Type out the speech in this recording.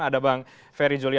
ada bang ferry julia